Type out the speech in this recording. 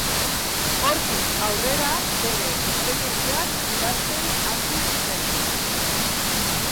Hortik aurrera, bere esperientziak idazten hasi zen.